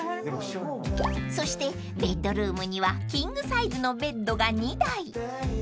［そしてベッドルームにはキングサイズのベッドが２台］